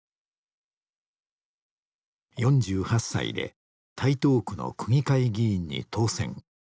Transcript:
４８歳で台東区の区議会議員に当選。